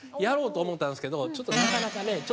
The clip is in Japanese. やろうと思ったんですけどちょっとなかなかね